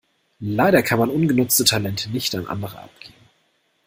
Leider kann man ungenutzte Talente nicht an andere abgeben.